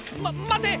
待て